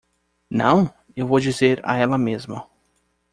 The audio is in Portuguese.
Não? eu vou dizer a ela mesmo.